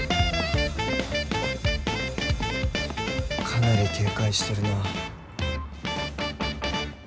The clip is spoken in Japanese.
かなり警戒してるな。